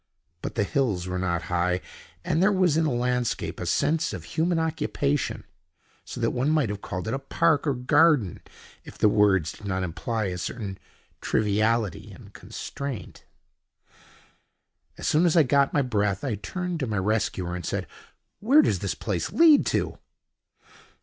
But the hills were not high, and there was in the landscape a sense of human occupation—so that one might have called it a park, or garden, if the words did not imply a certain triviality and constraint. As soon as I got my breath, I turned to my rescuer and said: "Where does this place lead to?"